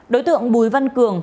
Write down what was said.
đối tượng bùi văn cường